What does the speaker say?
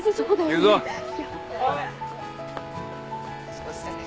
すいません。